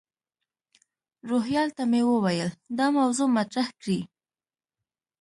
روهیال ته مې وویل دا موضوع مطرح کړي.